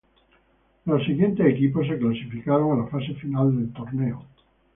Los siguientes equipos se clasificaron a la fase final del torneo.